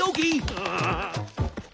ああ！